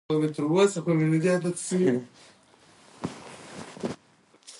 ازادي راډیو د د بیان آزادي په اړه د کارپوهانو خبرې خپرې کړي.